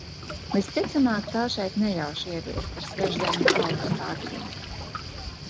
Visticamāk, tā šeit nejauši ieviesta ar svešzemju augu stādījumiem.